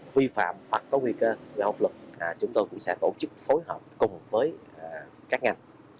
vi phạm hoặc có nguy cơ giao hợp luật chúng tôi cũng sẽ tổ chức phối hợp cùng với các ngành